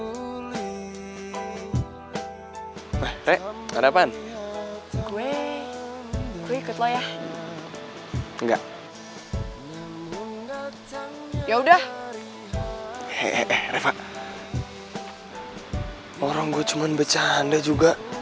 hai eh ada apaan gue ikut lo ya enggak ya udah hehehe refah orang gue cuman becanda juga